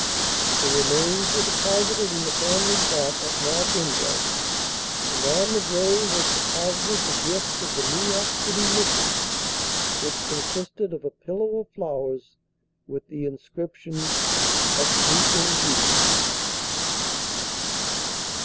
The remains were deposited in the family plot at North Embro, and on the grave was deposited the gift of the New York City Mission, which consisted of a "pillow of flowers," with the inscription "Asleep in Jesus."